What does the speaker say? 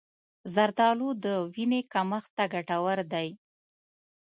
زردآلو د وینې کمښت ته ګټور دي.